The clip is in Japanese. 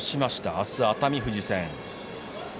明日は熱海富士戦。